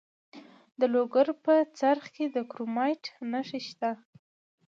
د لوګر په څرخ کې د کرومایټ نښې شته.